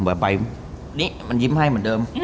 อ่ะแบบใบนี่มันยิ้มให้เหมือนเดิม